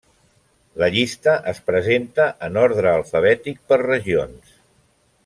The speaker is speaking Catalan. La llista es presenta en ordre alfabètic per regions.